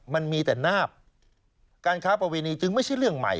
มันมีแต่นาบการค้าประเวณีจึงไม่ใช่เรื่องใหม่